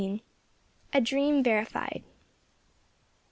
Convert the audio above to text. A DREAM VERIFIED.